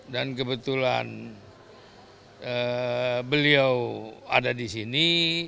dan kebetulan beliau ada di sini